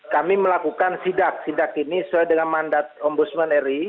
kami melakukan sidak sidak ini sesuai dengan mandat ombudsman ri